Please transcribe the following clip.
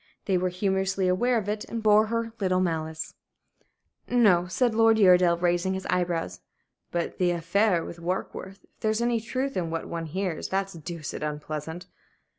They were humorously aware of it, and bore her little malice. "No," said Uredale, raising his eyebrows; "but the 'affaire Warkworth'? If there's any truth in what one hears, that's deuced unpleasant."